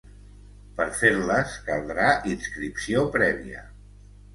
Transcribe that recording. Per fer-les caldrà inscripció prèvia.